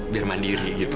biar mandiri gitu